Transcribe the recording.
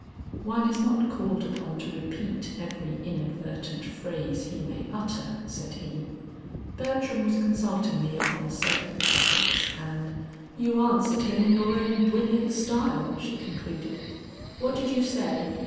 "One is not called upon to repeat every inadvertent phrase he may utter," said he. "Bertram was consulting me upon certain topics and " "You answered him in your own brilliant style," she concluded. "What did you say?"